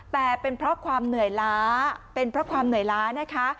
แต่เป็นเพราะความเหนื่อยล้าเป็นเพราะความเหนื่อยล้านะคะ